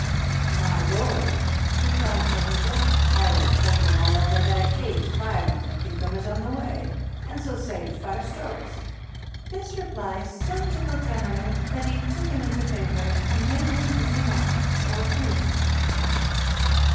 "My lord," replies the Hoja, "I was thanking Allah that I eat five of the cucumbers on the way, and so saved five strokes." This reply so tickled Tamerlane that he took him into favor, and made him his imam, or priest.